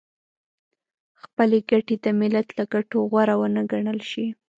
خپلې ګټې د ملت له ګټو غوره ونه ګڼل شي .